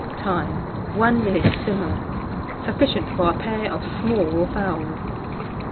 Time. 1 minute to simmer. Sufficient for a pair of small fowls.